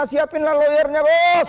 siapin lah lawyernya bos